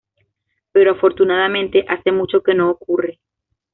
Pero afortunadamente hace mucho que no ocurre.